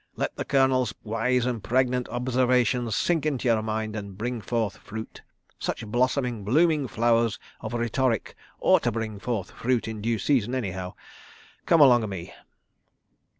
"Let the Colonel's wise and pregnant observations sink into your mind and bring forth fruit. ... Such blossoming, blooming flowers of rhetoric oughter bring forth fruit in due season, anyhow. ... Come along o' me."